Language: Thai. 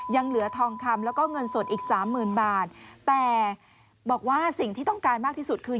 ยังเหลือทองคำแล้วก็เงินสดอีกสามหมื่นบาทแต่บอกว่าสิ่งที่ต้องการมากที่สุดคือ